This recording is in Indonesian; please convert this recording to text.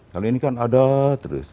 kalau ini kan ada terus